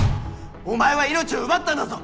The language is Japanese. お前は命を奪ったんだぞ！？